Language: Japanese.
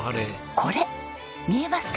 これ見えますか？